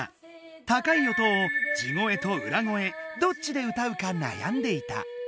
高い音を地声と裏声どっちで歌うか悩んでいた。